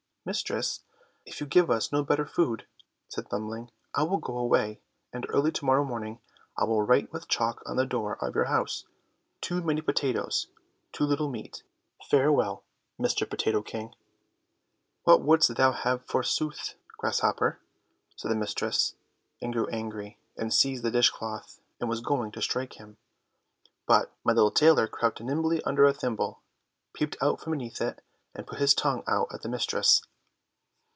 "Mistress, if you give us no better food," said Thumbling, "I will go away, and early to morrow morning I will write with chalk on the door of your house, 'Too many potatoes, too little meat! Farewell, Mr. Potato King.'" "What wouldst thou have forsooth, grasshopper?" said the mistress, and grew angry, and seized a dishcloth, and was just going to strike him; but my little tailor crept nimbly under a thimble, peeped out from beneath it, and put his tongue out at the mistress.